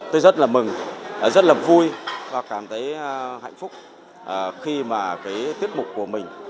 tôi rất là mừng rất là vui và cảm thấy hạnh phúc khi mà cái tiết mục của mình